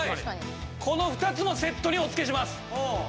この２つもセットにお付けします。